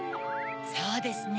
そうですね。